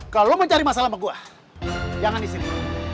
kalau mencari masalah sama gue jangan disini